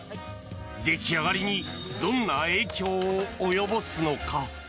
出来上がりにどんな影響を及ぼすのか。